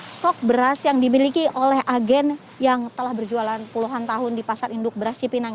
stok beras yang dimiliki oleh agen yang telah berjualan puluhan tahun di pasar induk beras cipinang